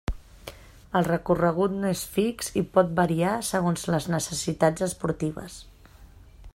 El recorregut no és fix i pot variar segons les necessitats esportives.